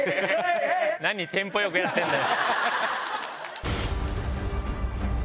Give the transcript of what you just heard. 何テンポよくやってんだよ。